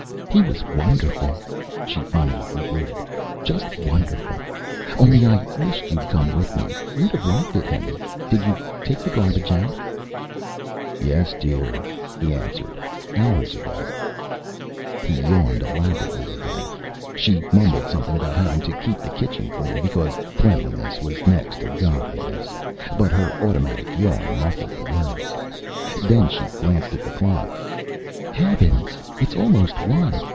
"He was wonderful," she finally concluded. "Just wonderful. Only I wished you'd come with me. You'd have liked it. Henry, did you take the garbage out?" "Yes, dear," he answered. "Hours ago." He yawned elaborately again. She mumbled something about having to keep the kitchen clean because cleanliness was next to godliness, but her automatic yawn muffled the words. Then she glanced at the clock. "Heavens, it's almost one!